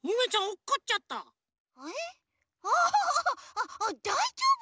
あだいじょうぶ？